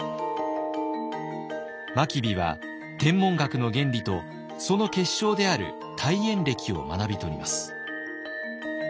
真備は天文学の原理とその結晶である大衍暦を学びとります。